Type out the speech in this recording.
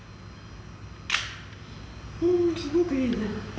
うんすごくいいね。